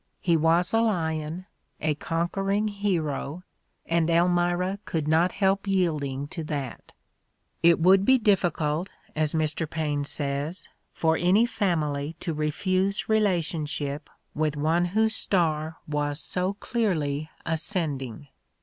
He was a lion, a conquering hero, and Elmira could not help yielding to that: "it would be difficult," as Mr. Paine says, "for any family to refuse relationship with one whose star was no The Ordeal of Mark Twain so clearly ascending."